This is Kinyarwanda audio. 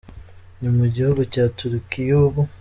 Ni mu gihugu cya Turquie y’ubu.